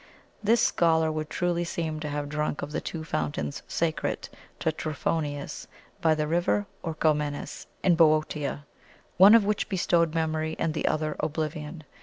This scholar would truly seem to have drunk of the two fountains sacred to Trophonius, by the river Orchomenus in Boeotia, one of which bestowed memory and the other oblivion.